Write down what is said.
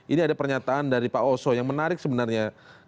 ini ada pernyataan dari pak oso yang menarik sebenarnya